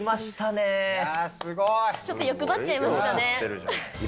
すごい！ちょっと欲張っちゃいましたね。